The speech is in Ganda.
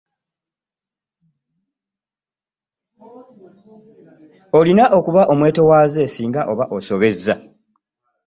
Olina okuba omwetowaze singa oba osobezza.